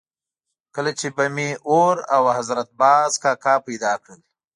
کله چې به مې اور او حضرت باز کاکا پیدا کړل.